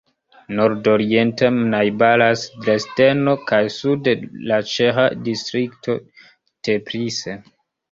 Nordoriente najbaras Dresdeno kaj sude la ĉeĥa distrikto Teplice.